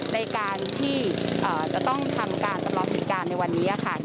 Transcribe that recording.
ในการที่จะต้องทำการจำลองเหตุการณ์ในวันนี้ค่ะ